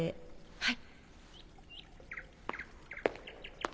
はい。